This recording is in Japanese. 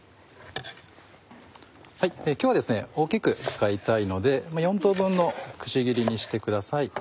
今日は大きく使いたいので４等分のくし切りにしてください。